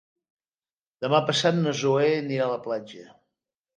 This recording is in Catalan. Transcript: Demà passat na Zoè anirà a la platja.